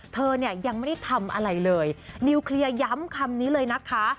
เธอเนี่ยยังไม่ได้ทำอะไรเลยนิวเคลียร์ย้ำคำนี้เลยนะคะ